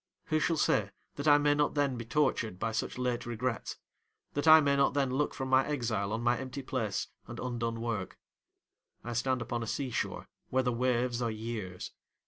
Who shall say, that I may not then be tortured by such late regrets: that I may not then look from my exile on my empty place and undone work? I stand upon a sea shore, where the waves are years.